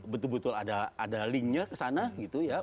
betul betul ada linknya ke sana gitu ya